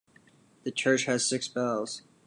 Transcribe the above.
The church has six bells.